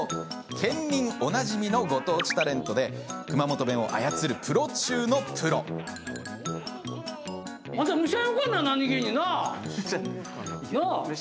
県民おなじみのご当地タレントで熊本弁を操るプロ中のプロです。